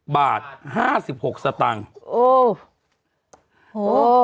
๔๐๗๖๐๖บาท๕๖สตังค์โอ้โห